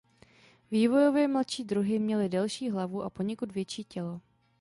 Vývojově mladší druhy měly delší hlavu a poněkud větší tělo.